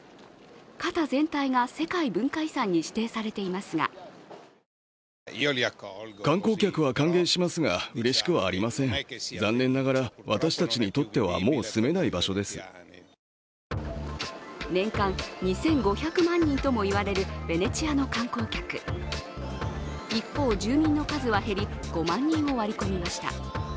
潟全体が世界文化遺産に指定されていますが年間２５００万人ともいわれるベネチアの観光客一方、住民の数は減り、５万人を割り込みました。